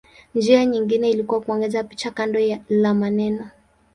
Njia nyingine ilikuwa kuongeza picha kando la maneno.